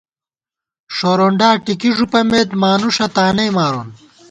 ݭورونڈا ٹِکی ݫُوپَمېت ، مانُوݭہ تانئی مارون